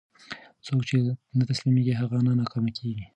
څوک چې نه تسلیمېږي، هغه نه ناکامېږي.